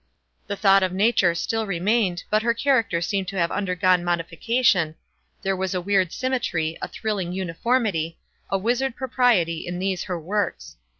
The thought of nature still remained, but her character seemed to have undergone modification, there was a weird symmetry, a thrilling uniformity, a wizard propriety in these her works.